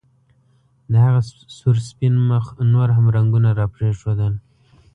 د هغه سور سپین مخ نور هم رنګونه راپرېښودل